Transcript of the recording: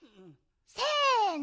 せの。